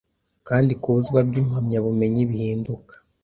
Kandi kubuzwa byimpamyabumenyi bihinduka